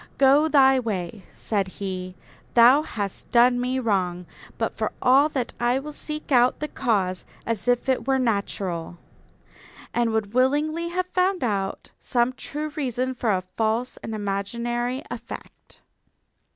'Go thy way,' said he, 'thou hast done me wrong; but for all that I will seek out the cause, as if it were natural'; and would willingly have found out some true reason for a false and imaginary effect."